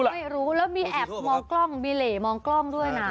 ไม่รู้แล้วมีแอบมองกล้องบีเหล่มองกล้องด้วยนะ